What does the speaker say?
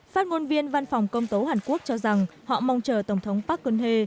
phát ngôn viên văn phòng công tố hàn quốc cho rằng họ mong chờ tổng thống park geun hye